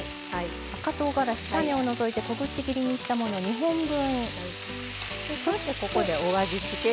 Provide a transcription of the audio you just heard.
赤とうがらし種を除いて小口切りにしたもの２本分。